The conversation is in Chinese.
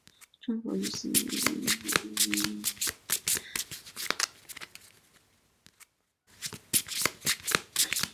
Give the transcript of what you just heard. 政府军与逊尼派武装在巴格达郊外的巴古拜爆发激战。